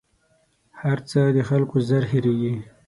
هر څه د خلکو ژر هېرېـږي